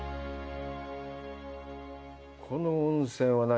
この温泉は何？